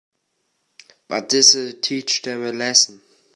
But this'll teach them a lesson.